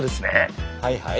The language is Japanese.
はいはい。